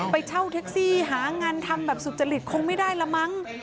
ไปเช่าแท็กซี่หางานทำแบบสุจริตคงไม่ได้ละมั้ง